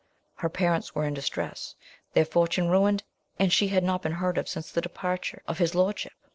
Her parents were in distress, their fortune ruined, and she had not been heard of since the departure of his lordship.